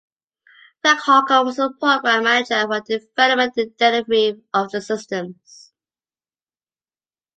Jack Harker was the Program Manager for the development and delivery of the systems.